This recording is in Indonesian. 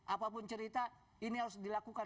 apapun cerita ini harus dilakukan